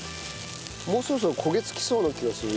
もうそろそろ焦げつきそうな気がするよ。